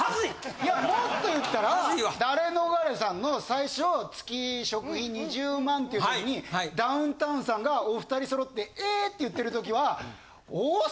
いやもっと言ったらダレノガレさんの最初月食費２０万っていうのにダウンタウンさんがお２人揃って「ええっ！」って言ってるときは。